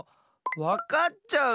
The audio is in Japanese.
わかっちゃうよ！